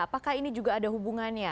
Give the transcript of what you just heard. apakah ini juga ada hubungannya